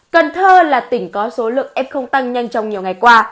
cần thơ là tỉnh có số lượng f tăng nhanh trong nhiều ngày qua